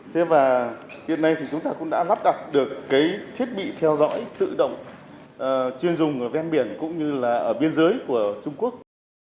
thế và hiện nay thì chúng ta cũng đã lắp đặt được cái thiết bị theo dõi tự động chuyên dùng ở ven biển cũng như là ở biên giới của trung quốc